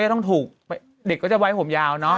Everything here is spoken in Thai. ต้องถูกเด็กก็จะไว้ผมยาวเนอะ